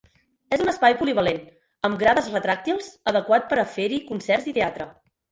És un espai polivalent, amb grades retràctils, adequat per a fer-hi concerts i teatre.